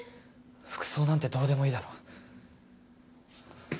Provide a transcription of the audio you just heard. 服装なんてどうでもいいだろ。